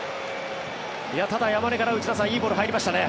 ただ、山根からいいボール入りましたね。